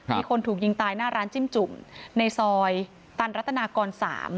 มีคนถูกยิงตายหน้าร้านจิ้มจุ่มในซอยตันรัตนากร๓